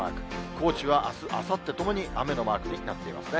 高知はあす、あさってともに雨のマークになっていますね。